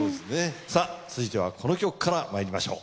続いてはこの曲からまいりましょう。